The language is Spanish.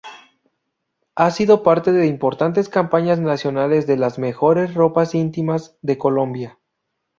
Ha sido parte de importantes campañas nacionales de las mejores ropas íntimas de Colombia.